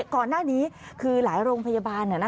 ก่อนหน้านี้คือหลายโรงพยาบาล